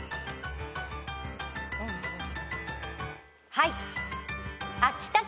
はい。